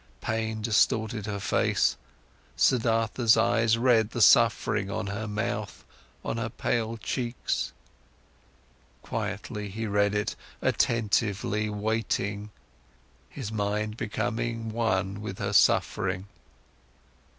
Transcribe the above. Pain distorted her face, Siddhartha's eyes read the suffering on her mouth, on her pale cheeks. Quietly, he read it, attentively, waiting, his mind becoming one with her suffering.